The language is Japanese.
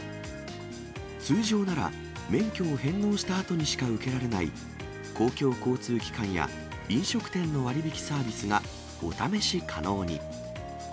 通常なら、免許を返納したあとにしか受けられない公共交通機関や、飲食店の割引サービスがお試し可能に。